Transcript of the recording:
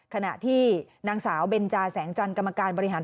ขณะที่นางสาวเบนจาแสงจันทร์กรรมการบริหาร